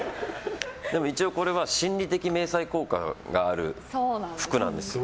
一応、これは心理的迷彩効果がある服なんです。